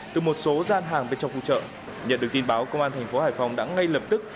từ một số gian hàng bên trong khu chợ nhận được tin báo công an thành phố hải phòng đã ngay lập tức